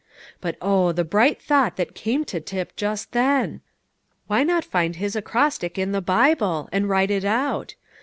But oh, the bright thought that came to Tip just then! Why not find his acrostic in the Bible, and write it out?